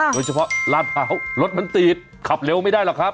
โดยเฉพาะราดเผารถมันตีดขับเร็วไม่ได้หรอกครับ